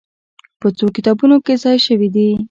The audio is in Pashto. په څو کتابونو کې ځای شوې دي.